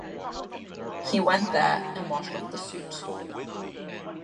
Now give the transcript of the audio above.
He went there, and washed off the soot.